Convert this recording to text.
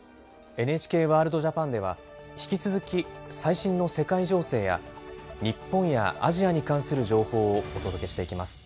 「ＮＨＫワールドＪＡＰＡＮ」では引き続き最新の世界情勢や日本やアジアに関する情報をお届けしていきます。